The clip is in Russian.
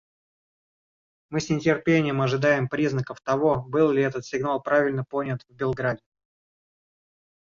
Мы с нетерпением ожидаем признаков того, был ли этот сигнал правильно понят в Белграде.